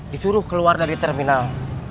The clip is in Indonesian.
disuruh keluar dari terminal